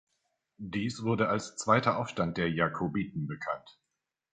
Dies wurde als zweiter Aufstand der Jakobiten bekannt.